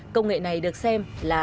công nghệ này được xem là